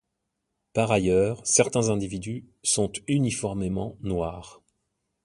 Par ailleurs certains individus sont uniformément noirs.